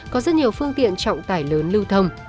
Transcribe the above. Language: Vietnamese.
có rất nhiều phương tiện trọng tải lớn lưu thông